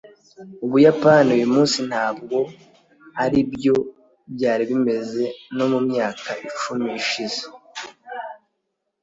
ubuyapani uyumunsi ntabwo aribyo byari bimeze no mumyaka icumi ishize